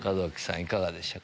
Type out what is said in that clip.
いかがでしたか？